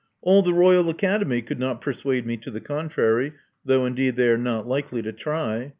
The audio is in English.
All the Royal Academy could not persuade me to the contrary — ^though, indeed, they are not likely to try.